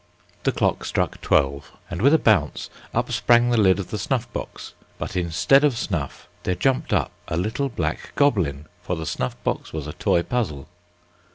The clock struck twelve, and, with a bounce, up sprang the lid of the snuff box; but, instead of snuff, there jumped up a little black goblin; for the snuff box was a toy puzzle.